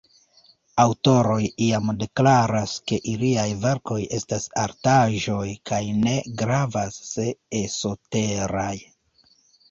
Aŭtoroj iam deklaras, ke iliaj verkoj estas artaĵoj, kaj ne gravas, se esoteraj.